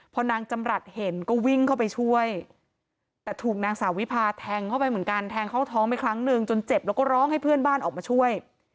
พอนางจำรัฐเห็นก็วิ่งเข้าไปช่วยแต่ถูกนางสาววิพาแทงเข้าไปเหมือนกันแทงเข้าท้องไปครั้งหนึ่งจนเจ็บแล้วก็ร้องให้เพื่อนบ้านออกมาช่วย